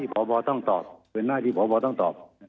เป็นหน้าที่พ่อพ่อต้องตอบ